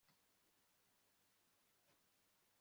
kandi umugabo ye gusenda umugore we